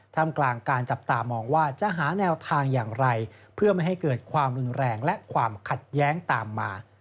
ทำกลางการจับตามองว่าจะหาแนวทางอย่างไรเพื่อไม่ให้เกิดความรุนแรงและความขัดแย้งตามมา